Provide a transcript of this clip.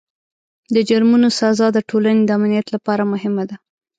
د جرمونو سزا د ټولنې د امنیت لپاره مهمه ده.